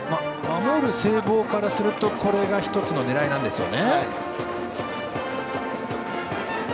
守る聖望からすると、これが１つの狙いなんでしょう。